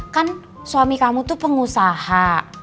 kan suami kamu tuh pengusaha